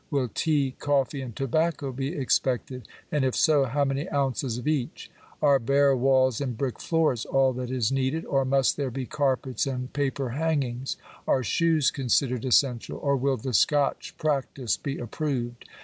Will tea, ooffee, and tobacco be expected ? and if so, how many ounces of each ? Are bare walls and brick floors all that is needed ? or must there be carpets and paper hangings ? Are shoes considered essential ? or will the Scotch practice be approved